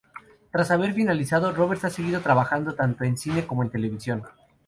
Tras haber finalizado Roberts ha seguido trabajando tanto en cine como en televisión.